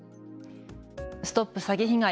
ＳＴＯＰ詐欺被害！